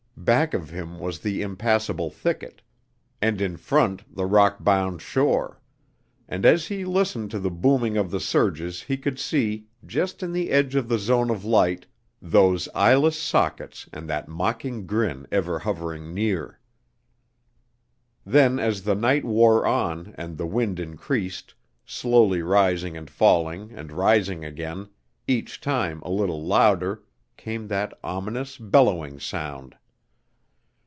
Back of him was the impassable thicket, and in front the rock bound shore, and as he listened to the booming of the surges he could see, just in the edge of the zone of light, those eyeless sockets and that mocking grin ever hovering near. Then as the night wore on and the wind increased, slowly rising and falling and rising again, each time a little louder, came that ominous, bellowing sound.